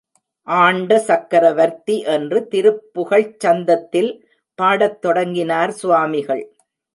ஆண்ட சக்ரவர்த்தி என்று திருப்புகழ்ச் சந்தத்தில் பாடத் தொடங்கினார் சுவாமிகள்.